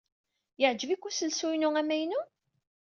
Yeɛjeb-ik uselsu-inu amaynu?